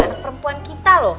anak perempuan kita loh